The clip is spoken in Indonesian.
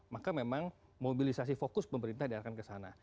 maka memang mobilisasi fokus pemerintah diarahkan ke sana